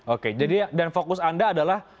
oke jadi dan fokus anda adalah